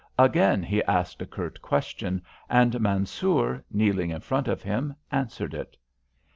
Again he asked a curt question, and Mansoor, kneeling in front of him, answered it.